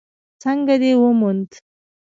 _څنګه دې وموند؟